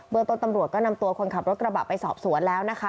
เมืองต้นตำรวจก็นำตัวคนขับรถกระบะไปสอบสวนแล้วนะคะ